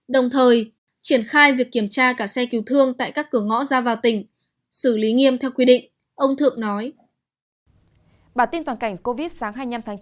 đồng thời triển khai việc kiểm tra cả xe cứu thương tại các cửa ngõ ra vào tỉnh